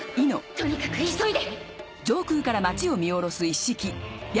とにかく急いで！